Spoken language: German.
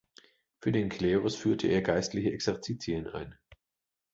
Für den Klerus führte er geistliche Exerzitien ein.